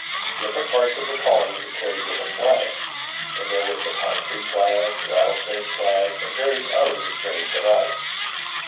Different parts of the colonies had carried different flags, and there was the "Pine Tree Flag," "The Rattlesnake Flag," and various others of strange device.